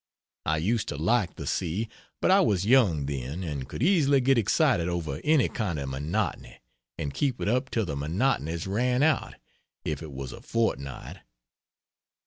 I used to like the sea, but I was young then, and could easily get excited over any kind of monotony, and keep it up till the monotonies ran out, if it was a fortnight.